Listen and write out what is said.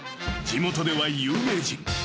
［地元では有名人］